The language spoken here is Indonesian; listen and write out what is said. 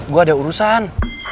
gue ada urusan